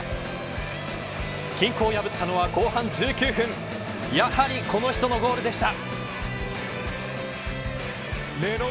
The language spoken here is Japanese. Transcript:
均衡を破ったのは後半１９分やはりこの人のゴールでした。